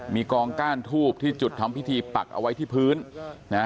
มีกองก้านทูบที่จุดทำพิธีปักเอาไว้ที่พื้นนะฮะ